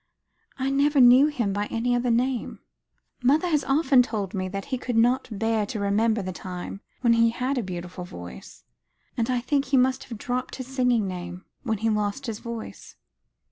I never knew him by any other name. Mother has often told me he could not bear to remember the time when he had a beautiful voice; and I think he must have dropped his singing name, when he lost his voice."